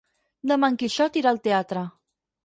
Demà en Quixot irà al teatre.